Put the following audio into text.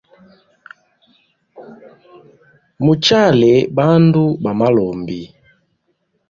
Muchale bandu ba malombi.